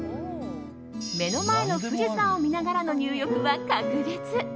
目の前の富士山を見ながらの入浴は格別。